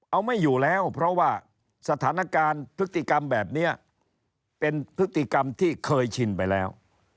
เอาไม่อยู่แล้วเพราะว่าสถานการณ์พฤติกรรมแบบนี้เป็นพฤติกรรมที่เคยชินไปแล้ว